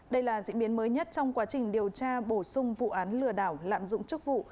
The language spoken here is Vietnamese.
đây là diễn biến mới nhất trong quá trình điều tra bổ sung vụ án lừa đảo lạm dụng chức vụ